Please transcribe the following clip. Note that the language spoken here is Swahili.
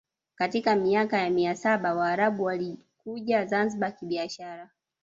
Katika miaka ya mia saba Waarabu walikuja Zanzibar kibiashara